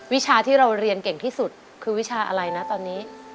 วิชาที่เราเรียนเก่งที่สุดคือวิชาอะไรนะตอนนี้